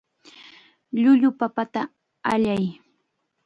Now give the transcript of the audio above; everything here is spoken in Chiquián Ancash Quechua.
Llullu papata allay.